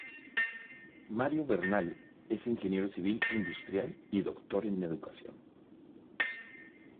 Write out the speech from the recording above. Mario Vernal es Ingeniero Civil Industrial y Doctor en Educación.